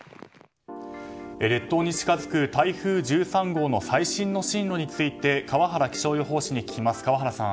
列島に近づく台風１３号の最新の進路について川原気象予報士に聞きます。